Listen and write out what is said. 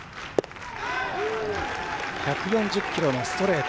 １４０キロのストレート。